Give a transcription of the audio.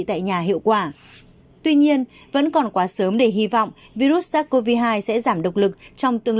tại nhà hiệu quả tuy nhiên vẫn còn quá sớm để hy vọng virus sars cov hai sẽ giảm động lực trong tương